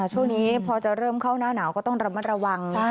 ช่วงนี้พอจะเริ่มเข้าหน้าหนาวก็ต้องระมัดระวัง